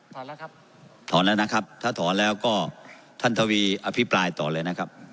ถอนแล้วครับถอนแล้วนะครับถ้าถอนแล้วก็ท่านทวีอภิปรายต่อเลยนะครับ